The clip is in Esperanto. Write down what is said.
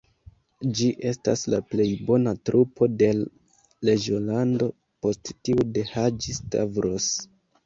Ĝi estas la plej bona trupo de l' reĝolando, post tiu de Haĝi-Stavros.